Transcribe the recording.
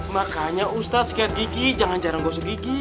makanya ustadz sekian gigi jangan jarang gosok gigi